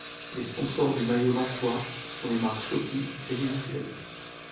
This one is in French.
Les sponsors du maillot lensois sont les marques Shopi et Crédit mutuel.